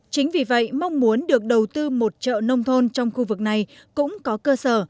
chính vì vậy mong muốn được đầu tư một chợ nông thôn trong khu vực này cũng có cơ sở